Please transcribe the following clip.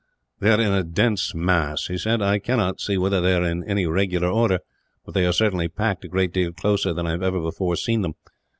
"They are in a dense mass," he said. "I cannot see whether they are in any regular order, but they are certainly packed a great deal closer than I have ever before seen them.